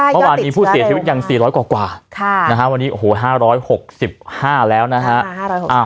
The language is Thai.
เมื่อวานนี้ผู้เสียชีวิตยัง๔๐๐กว่าวันนี้โอ้โห๕๖๕แล้วนะฮะ